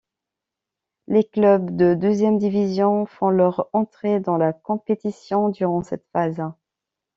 Les clubs de deuxième division font leur entrée dans la compétition durant cette phase.